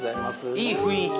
いい雰囲気。